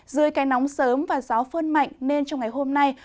dưới cây nóng sớm và gió phơn mạnh nên trong ngày hôm nay